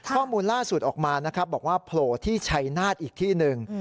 ข้อมูลล่าสุดออกมานะครับบอกว่าโผล่ที่ชัยนาธิ์อีกที่หนึ่ง